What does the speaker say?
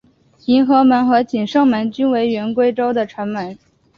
迎和门和景圣门均为原归州的城门。